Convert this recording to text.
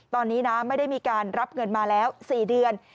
ตอนนี้นะไม่ได้มีการรับเงินมาแล้ว๔เดือน